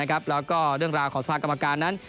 แล้วก็เรื่องราวของสภากรรมการนั้น